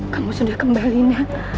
kamu sudah kembali ya